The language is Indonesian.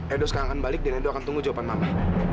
edo sekarang akan balik di endo akan tunggu jawaban mama